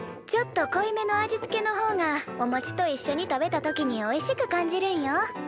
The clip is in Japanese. ちょっと濃いめの味付けの方がおもちといっしょに食べた時においしく感じるんよ。